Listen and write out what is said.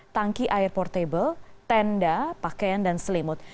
tangki air portable tenda pakaian dan selimut